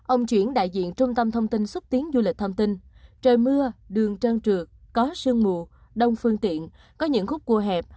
ông chuyển đại diện trung tâm thông tin xúc tiến du lịch thông tin trời mưa đường trơn trượt có sương mù đông phương tiện có những khúc cua hẹp